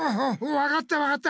わかったわかった！